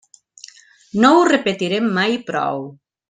No ho repetirem mai prou.